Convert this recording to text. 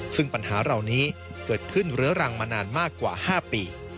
ซึ่งปัญหาเหล่านี้เกิดขึ้นเรื้อรังมานานมากกว่า๕ปี